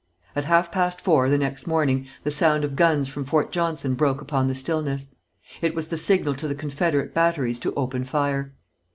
At half past four the next morning the sound of guns from Fort Johnson broke upon the stillness. It was the signal to the Confederate batteries to open fire.